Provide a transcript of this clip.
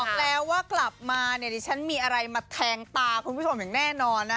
บอกแล้วว่ากลับมาเนี่ยดิฉันมีอะไรมาแทงตาคุณผู้ชมอย่างแน่นอนนะ